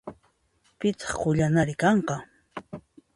Pitaq qullanari kanqa?